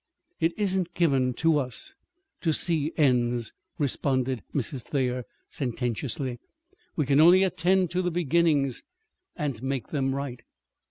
"It isn't given to us to see ends," responded Mrs. Thayer sententiously. "We can only attend to the beginnings and make them right."